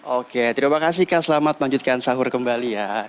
oke terima kasih kang selamat melanjutkan sahur kembali ya